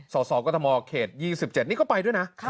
สสกมเขต๒๗นี่ก็ไปด้วยนะ